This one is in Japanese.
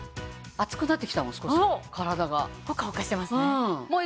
熱くなってきたもん少し体が！ホカホカしてますね。